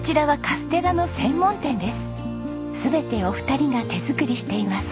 全てお二人が手作りしています。